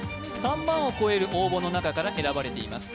３万を超える応募の中から選ばれています。